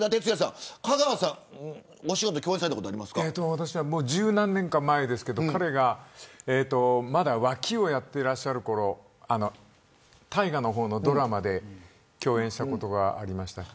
私は１０何年か前ですけど彼がまだ脇をやっていらっしゃるころ大河の方のドラマで共演したことがありました。